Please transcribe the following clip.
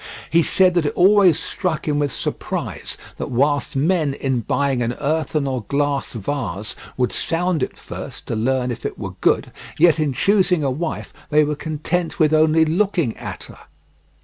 He said that it always struck him with surprise that whilst men in buying an earthen or glass vase would sound it first to learn if it were good, yet in choosing a wife they were content with only looking at her.